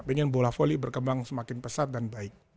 pengen bola voli berkembang semakin pesat dan baik